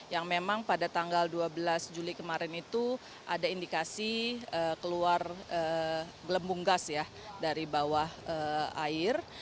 yang memang pada tanggal dua belas juli kemarin itu ada indikasi keluar gelembung gas ya dari bawah air